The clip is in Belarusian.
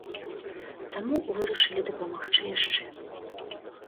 Таму вырашылі дапамагчы яшчэ.